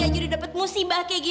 akhirnya dapat musibah kaya gini